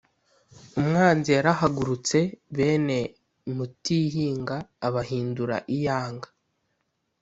Umwanzi yarahugutse Bene Mutihinga Abahindura iyanga!